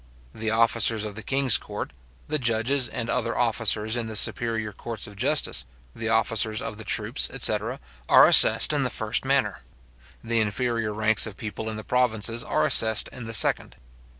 The officers of the king's court, the judges, and other officers in the superior courts of justice, the officers of the troops, etc are assessed in the first manner. The inferior ranks of people in the provinces are assessed in the second.